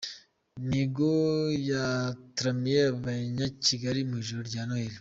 Mihigo yataramiye Abanyakigali mu ijoro rya Noheli